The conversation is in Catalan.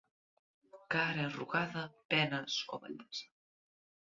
Cara arrugada, penes o vellesa.